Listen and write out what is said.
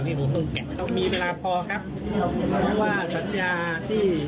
นี่ผมต้องเก็บต้องมีเวลาพอครับเพราะว่าสัญญาที่